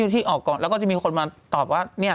ที่ออกก่อนแล้วก็จะมีคนมาตอบว่า